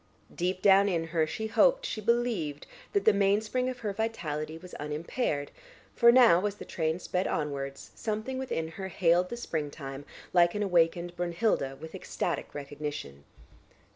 Deep down in her she hoped, she believed that the mainspring of her vitality was unimpaired, for now, as the train sped onwards, something within her hailed the springtime, like an awakened Brunnhilde, with ecstatic recognition.